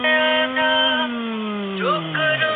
کیا ہوا؟